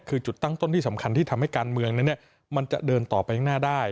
คือจุดตั้งต้นที่สำคัญที่ทำให้การเมืองนั้นมันจะเดินต่อไปข้างหน้าได้